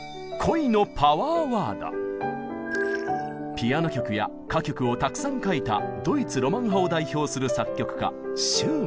ピアノ曲や歌曲をたくさん書いたドイツ・ロマン派を代表する作曲家シューマン。